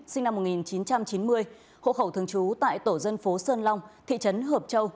sinh năm một nghìn chín trăm chín mươi hộ khẩu thường trú tại tổ dân phố sơn long thị trấn hợp châu